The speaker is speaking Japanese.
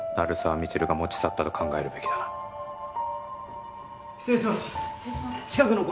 未知留が持ち去ったと考えるべきだな・失礼します・失礼します